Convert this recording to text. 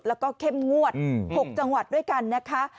แล้วก็เข้มงวด๖จังหวัดด้วยกันนะคะ